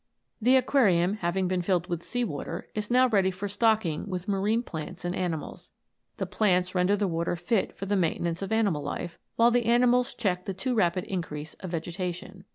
The aquarium having been filled with sea water is now ready for stocking with marine plants and animals. The plants render the water fit for the maintenance of animal life, while the animals check the too rapid increase of vegetation.